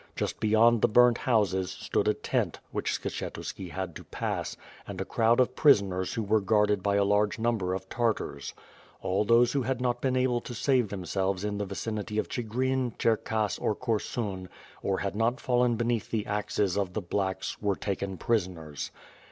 Just beyond the burnt houses, stood a tent, which Skshetuski had to pass; and a crowd of prisoners who were guarded by a large number of Tartars. All those who had not been able to save themselves in the vicinity of Chigrin, Cherkass, or Korsun, or had not fallen beneath the axes of the 'T^lacks," were taken prisoners.